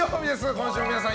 今週も皆さん